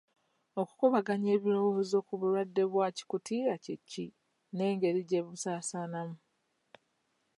Okukubaganya ebirowoozo ku bulwadde bwa Kikutiya kye ki n'engeri gye busaasaanamu